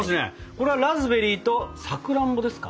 これはラズベリーとさくらんぼですか？